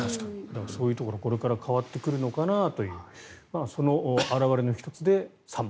そういうところこれから変わってくるのかなというその表れの１つでサンマ